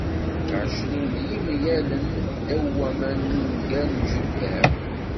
"Ɛecrin n yemyalen ddaw waman" d ungal n Jules Verne.